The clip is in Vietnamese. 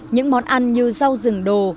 những món ăn như rau rừng đồ